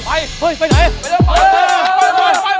ไปไหน